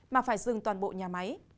mà phải dừng toàn bộ nhà máy